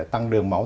tăng đường máu